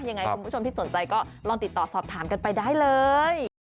ยังไงคุณผู้ชมที่สนใจก็ลองติดต่อสอบถามกันไปได้เลย